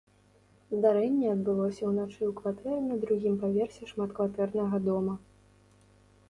Здарэнне адбылося ўначы ў кватэры на другім паверсе шматкватэрнага дома.